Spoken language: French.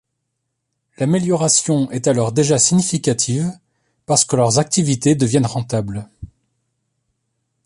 L’amélioration est alors déjà significative parce que leurs activités deviennent rentables.